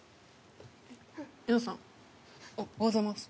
稲田さんおはようございます。